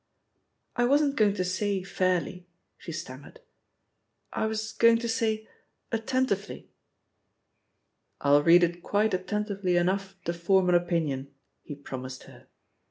"I wasn't going to say 'fairly,'" she stam mered, "I was going to say 'attentively.' " "I'll read it quite attentively enough to form an opinion," he promised her.